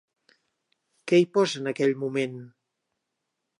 Què hi posa en aquell moment?